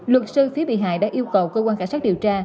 luật sư phía bị hại đã yêu cầu cơ quan cảnh sát điều tra